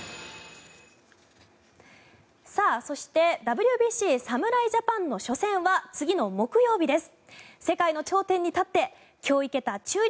そしてＷＢＣ侍ジャパンの初戦は次の木曜日です。